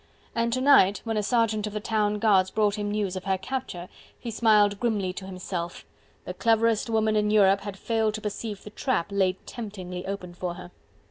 And to night, when a sergeant of the town guards brought him news of her capture, he smiled grimly to himself; the cleverest woman in Europe had failed to perceive the trap laid temptingly open for her.